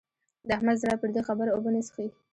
د احمد زړه پر دې خبره اوبه نه څښي.